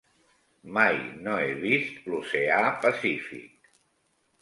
Mai no he vist l'Oceà Pacífic.